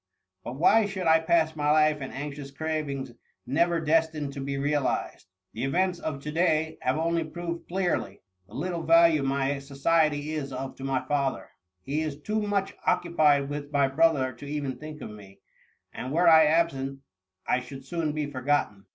But why should I pass my life in anxious cravings never des tined to be realized? The events of to day have only proved clearly the little value my society is of to niy father : he is too much occu pied with my brother to even think of me, and were I absent, I should soon be forgotten.